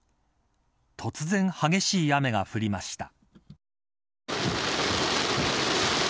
突然、激しい雨が降りました。